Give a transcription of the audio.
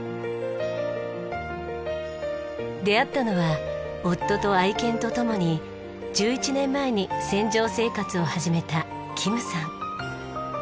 出会ったのは夫と愛犬と共に１１年前に船上生活を始めたキムさん。